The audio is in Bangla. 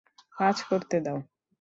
কাজ করতে দাও।